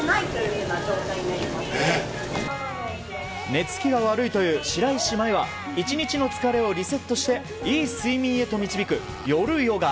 寝つきが悪いという白石麻衣は１日の疲れをリセットしていい睡眠へと導く、夜ヨガ。